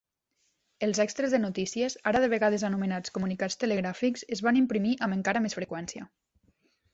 Els extres de "Notícies", ara de vegades anomenats comunicats telegràfics, es van imprimir amb encara més freqüència.